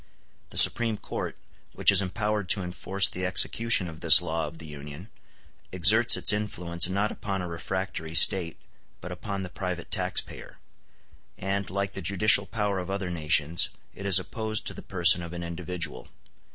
The Supreme Court, which is empowered to enforce the execution of this law of the Union, exerts its influence not upon a refractory State, but upon the private taxpayer; and, like the judicial power of other nations, it is opposed to the person of an individual.